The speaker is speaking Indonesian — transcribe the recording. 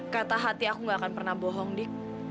kata hati aku gak akan pernah bohong dik